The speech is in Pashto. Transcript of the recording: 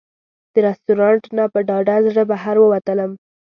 له رسټورانټ نه په ډاډه زړه بهر ووتلم.